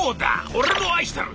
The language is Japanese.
俺も愛してる！